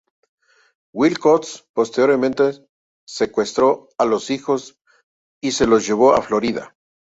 Wilcox posteriormente secuestró a los hijos y se los llevó a Florida.